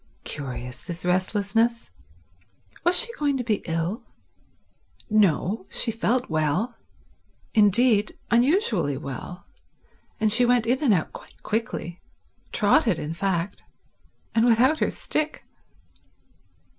Curious, this restlessness. Was she going to be ill? No, she felt well; indeed, unusually well, and she went in and out quite quickly—trotted, in fact—and without her stick.